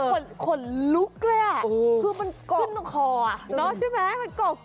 มันแบบขนเล็ก